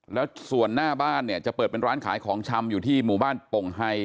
แล้วส่วนหน้าบ้านเนี่ยจะเปิดเป็นร้านขายของชำอยู่ที่หมู่บ้านโป่งไฮ